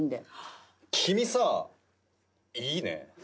君さいいね。